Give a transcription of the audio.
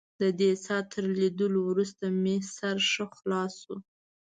ددې څاه تر لیدلو وروسته مې سر ښه خلاص شو.